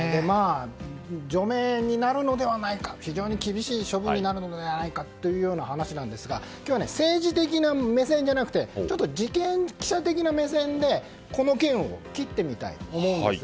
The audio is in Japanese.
除名になるのではないか非常に厳しい処分になるのではないかという話なんですが今日は政治的な目線じゃなくてちょっと事件、記者的な目線でこの件を切ってみたいと思います。